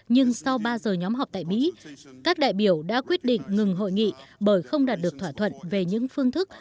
nhưng sau ba giờ nhóm họp tại mỹ các đại biểu đã quyết định ngừng hội nghị bởi không đạt được thỏa thuận về những phương thức